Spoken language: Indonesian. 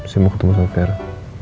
saya mau ketemu sama daerah